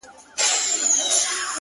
o د زلفو بڼ كي د دنيا خاوند دی؛